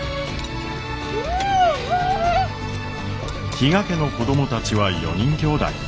比嘉家の子供たちは４人きょうだい。